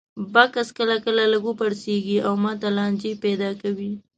بکس کله کله لږ وپړسېږي او ماته لانجې پیدا کوي.